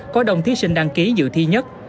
có đồng thí sinh đăng ký dự thi nhất